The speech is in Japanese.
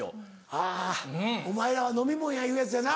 あぁお前らは飲み物や言うやつやな。